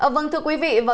vâng thưa quý vị và các bạn